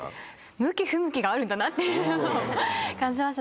向き不向きがあるんだなっていうのを感じました。